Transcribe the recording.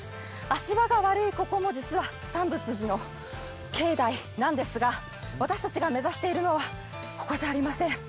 足場が悪いここも実は三佛寺の境内なんですが、私たちが目指しているのは、ここじゃありません。